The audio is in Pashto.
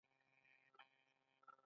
رفاه د هر چا هیله ده